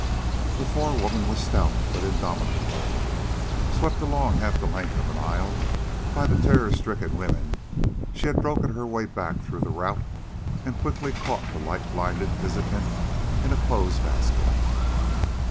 The forewoman was stout, but indomitable. Swept along half the length of an aisle by the terror stricken women, she had broken her way back through the rout and quickly caught the light blinded visitant in a clothes basket.